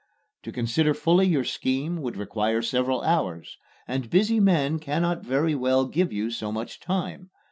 To consider fully your scheme would require several hours, and busy men cannot very well give you so much time.